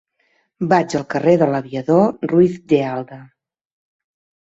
Vaig al carrer de l'Aviador Ruiz de Alda.